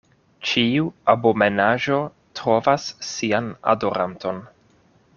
Ĉiu abomenaĵo trovas sian adoranton.